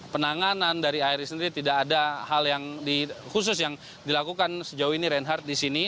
penanganan dari air sendiri tidak ada hal yang khusus yang dilakukan sejauh ini reinhardt di sini